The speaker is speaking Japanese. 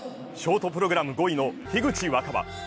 ショートプログラム５位の樋口新葉。